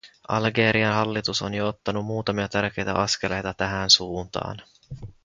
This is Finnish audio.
Algerian hallitus on jo ottanut muutamia tärkeitä askeleita tähän suuntaan.